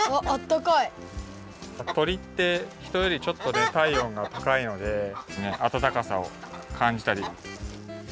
とりってひとよりちょっとたいおんが高いのであたたかさをかんじたり。